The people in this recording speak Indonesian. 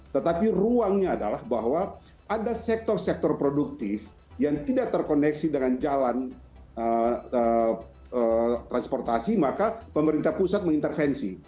tetapi ruangnya adalah bahwa ada sektor sektor produktif yang tidak terkoneksi dengan jalan transportasi maka pemerintah pusat mengintervensi